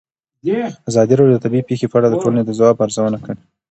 ازادي راډیو د طبیعي پېښې په اړه د ټولنې د ځواب ارزونه کړې.